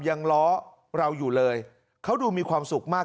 ยังล้อเราอยู่เลยเขาดูมีความสุขมาก